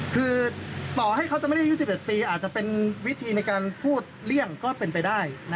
คือต่อให้เขาจะไม่ได้อายุ๑๑ปีอาจจะเป็นวิธีในการพูดเลี่ยงก็เป็นไปได้